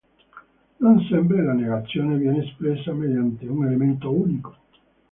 Non sempre la negazione viene espressa mediante un elemento unico.